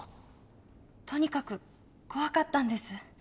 とにかく怖かったんです。